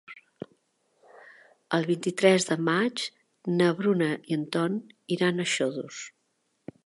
El vint-i-tres de maig na Bruna i en Ton iran a Xodos.